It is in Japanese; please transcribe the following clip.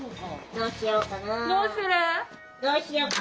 どうしようかな。